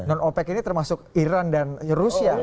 non opec ini termasuk iran dan rusia